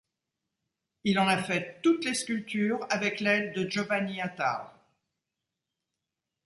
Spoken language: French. Il en a fait toutes les sculptures, avec l'aide de Giovanni Attard.